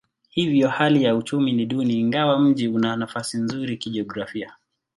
Hivyo hali ya uchumi ni duni ingawa mji una nafasi nzuri kijiografia.